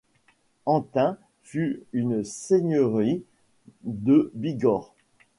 Antin fut une seigneurie de Bigorre.